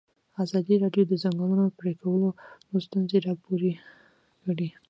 ازادي راډیو د د ځنګلونو پرېکول ستونزې راپور کړي.